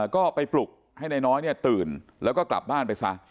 ก็ไปปลุกให้นายน้อยตื่นแล้วก็กลับบ้านไปซะ